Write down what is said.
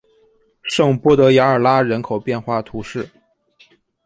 圣波德雅尔拉人口变化图示